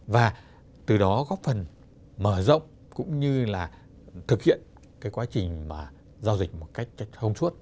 và từ đó góp phần mở rộng cũng như là thực hiện cái quá trình mà giao dịch một cách thông suốt